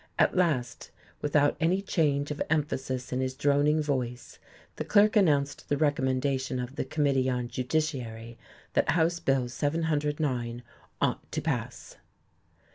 At last, without any change of emphasis in his droning voice, the clerk announced the recommendation of the Committee on Judiciary that House Bill 709 ought to pass.